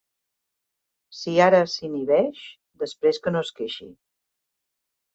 Si ara s'inhibeix, després que no es queixi.